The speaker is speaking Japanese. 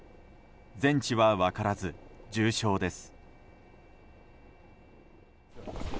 全治は分からず重傷です。